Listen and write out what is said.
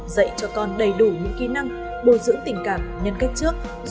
dạy cho con đầy đủ những kỹ năng bồi dưỡng tình cảm nhân cách trước